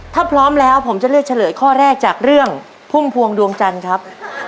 ถ้าพร้อมแล้วผมจะเลือกเฉลยข้อแรกจากเรื่องพุ่มพวงดวงจันทร์ครับ